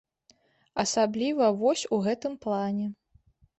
Асабліва вось у гэтым плане.